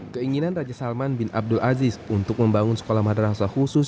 keinginan raja salman bin abdul aziz untuk membangun sekolah madrasah khusus